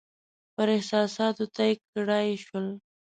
پر احساساتو طی کړای شول.